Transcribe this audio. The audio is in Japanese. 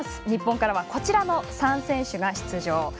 日本からはこちらの３選手が出場。